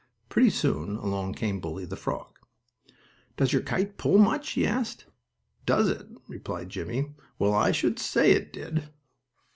Pretty soon along came Bully, the frog. "Does your kite pull much?" he asked. "Does it?" replied Jimmie. "Well, I should say it did!"